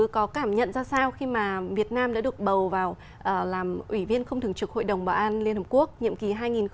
có cảm nhận ra sao khi mà việt nam đã được bầu vào làm ủy viên không thường trực hội đồng bảo an liên hợp quốc nhiệm kỳ hai nghìn hai mươi hai nghìn hai mươi một